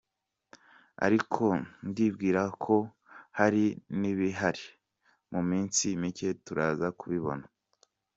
Ariko ndibwira ko hari n’ibihari mu minsi mike turaza kubibona.